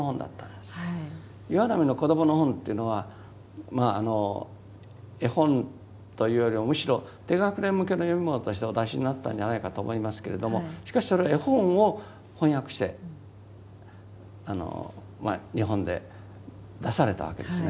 岩波の子どもの本というのは絵本というよりもむしろ低学年向けの読みものとしてお出しになったんじゃないかと思いますけれどもしかしそれは絵本を翻訳して日本で出されたわけですね。